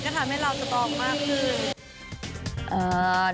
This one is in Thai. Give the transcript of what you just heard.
ก็ทำให้เราสตองมากขึ้น